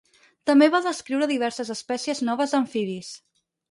També va descriure diverses espècies noves d'amfibis.